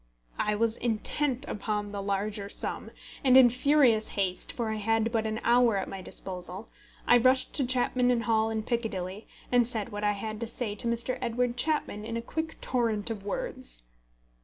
I was intent upon the larger sum; and in furious haste, for I had but an hour at my disposal, I rushed to Chapman & Hall in Piccadilly, and said what I had to say to Mr. Edward Chapman in a quick torrent of words.